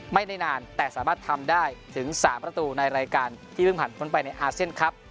ไม่ได้นานแต่สามารถทำได้ถึง๓ประตูในรายการที่เพิ่งผ่านพ้นไปในอาเซียนครับ